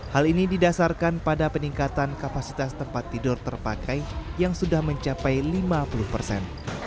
hal ini didasarkan pada peningkatan kapasitas tempat tidur terpakai yang sudah mencapai lima puluh persen